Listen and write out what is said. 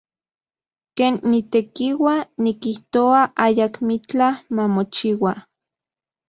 Ken nitekiua, nikijtoa ayakmitlaj mamochiua.